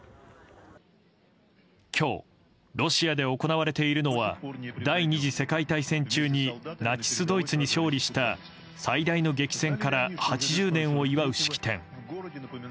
今日、ロシアで行われているのは第２次世界大戦中にナチスドイツに勝利した最大の激戦から８０年を祝う式典。